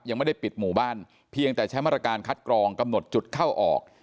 ยังไม่ได้ปิดหมู่บ้านเพียงแต่ใช้มาตรการคัดกรองกำหนดจุดเข้าออก